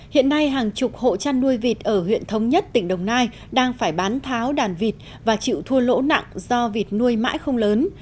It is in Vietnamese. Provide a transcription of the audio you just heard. hiện nay hàng chục hộ chăn nuôi vịt ở huyện thống nhất tỉnh đồng nai đang phải bán tháo đàn vịt và chịu thua lỗ nặng do vịt nuôi mãi không lớn